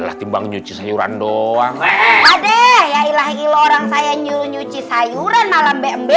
ilah timbang nyuci sayuran doang adek ya ilahi lo orang saya nyuruh nyuci sayuran malah mbe mbe